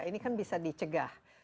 ini kan bisa dicegah